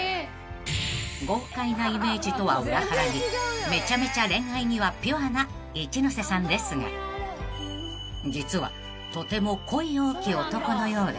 ［豪快なイメージとは裏腹にめちゃめちゃ恋愛にはピュアな一ノ瀬さんですが実はとても恋多き男のようで］